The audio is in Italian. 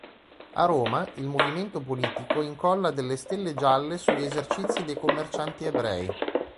A Roma, il Movimento Politico incolla delle stelle gialle sugli esercizi dei commercianti ebrei.